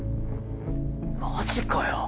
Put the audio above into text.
マジかよ。